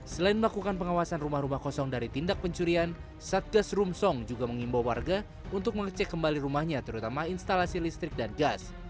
selain melakukan pengawasan rumah rumah kosong dari tindak pencurian satgas rumsong juga mengimbau warga untuk mengecek kembali rumahnya terutama instalasi listrik dan gas